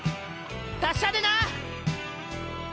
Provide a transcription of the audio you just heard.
達者でな！